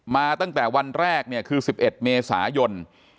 ตั้งแต่วันแรกเนี่ยคือ๑๑เมษายน